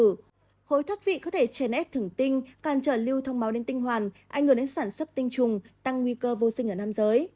khi chạy bộ phần đồng mạnh khối thoát vị có thể chèn ép thửng tinh càn trở lưu thông máu đến tinh hoàn ảnh hưởng đến sản xuất tinh trùng tăng nguy cơ vô sinh ở nam giới